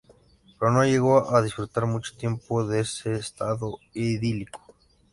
Pero no llegó a disfrutar mucho tiempo en ese estado "idílico".